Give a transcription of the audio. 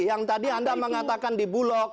yang tadi anda mengatakan di bulog